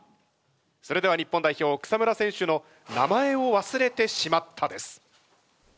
それでは日本代表草村選手の「名前を忘れてしまった」です。